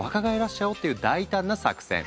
ちゃおうっていう大胆な作戦。